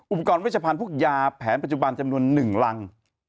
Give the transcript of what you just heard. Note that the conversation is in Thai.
อุปกรณ์วิชาภัณฑ์ภูมิยาแผนปัจจุบันจำนวน๑ลัง